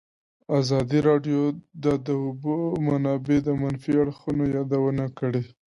ازادي راډیو د د اوبو منابع د منفي اړخونو یادونه کړې.